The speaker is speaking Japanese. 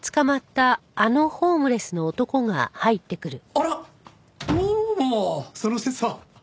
あらっどうもその節は。